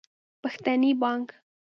پښتني بانګ